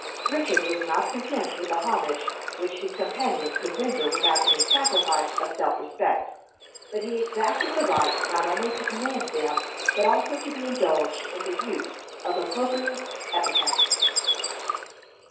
Richard was not content with the homage which his companions could render without any sacrifice of self respect, but he exacted the right not only to command them, but also to be indulged in the use of opprobrious epithets.